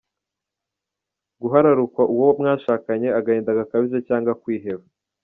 Guhararukwa uwo mwashakanye, agahinda gakabije cyangwa kwiheba.